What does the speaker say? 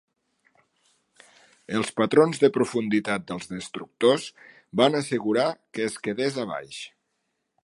Els patrons de profunditat dels destructors van assegurar que es quedés a baix.